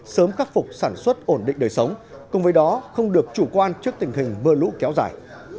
sớm khắc phục sản xuất ổn định đời sống cùng với đó không được chủ quan trước tình hình mưa lũ kéo dài